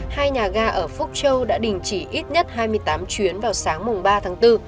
hai nhà ga ở phúc châu đã đình chỉ ít nhất hai mươi tám chuyến vào sáng ba tháng bốn